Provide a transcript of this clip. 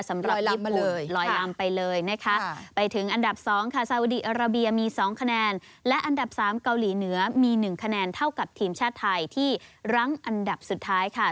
สำหรับญี่ปุ่นลอยลำไปเลยนะคะไปถึงอันดับ๒ค่ะซาอุดีอาราเบียมี๒คะแนนและอันดับ๓เกาหลีเหนือมี๑คะแนนเท่ากับทีมชาติไทยที่รั้งอันดับสุดท้ายค่ะ